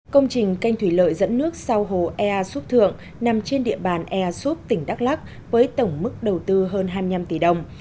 công trình canh thủy lợi dẫn nước sau hồ ea súp thượng nằm trên địa bàn ea súp tỉnh đắk lắc với tổng mức đầu tư hơn hai mươi năm tỷ đồng